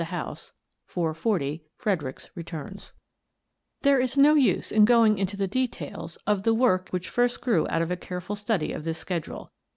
Bromley Grows Mysterious 225 There is no use in going into the details of the work which first grew out of a careful study of this schedule.